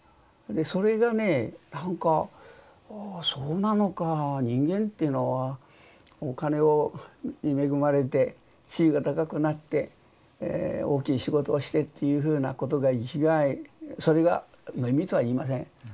でそれがねなんかああそうなのかぁ人間っていうのはお金に恵まれて地位が高くなって大きい仕事をしてっていうふうなことが生きがいそれが無意味とは言いません。